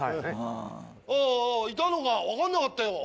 おぉおぉいたのか分かんなかったよ